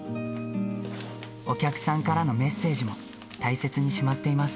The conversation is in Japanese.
お客さんからのメッセージも大切にしまっています。